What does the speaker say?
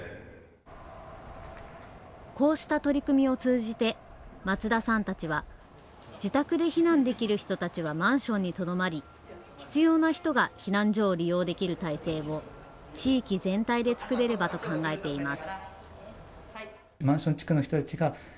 こうした取り組みを通じて、松田さんたちは、自宅で避難できる人たちはマンションにとどまり、必要な人が避難所を利用できる体制を、地域全体で作れればと考えています。